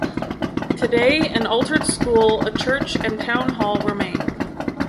Today, an altered school, a church and town hall remain.